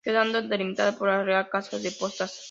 Quedando delimitada por la Real Casa de Postas.